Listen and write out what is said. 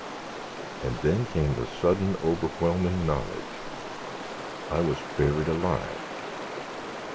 _ and then came the sudden, overwhelming knowledge I WAS BURIED ALIVE!!